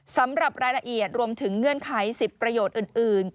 สำหรับรายละเอียดรวมถึงเงื่อนไขสิทธิ์ประโยชน์อื่น